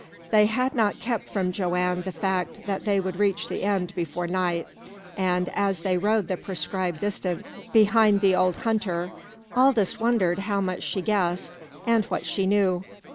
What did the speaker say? They had not kept from Joanne the fact that they would reach the end before night, and as they rode the prescribed distance behind the old hunter Aldous wondered how much she guessed, and what she knew.